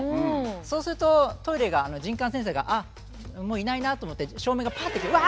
そうするとトイレが人感センサーがあっもういないなと思って照明がぱって消えてうわ！